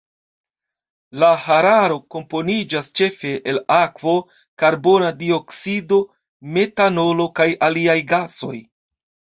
La hararo komponiĝas ĉefe el akvo, karbona dioksido metanolo kaj aliaj gasoj.